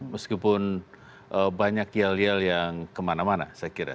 meskipun banyak yel yel yang kemana mana saya kira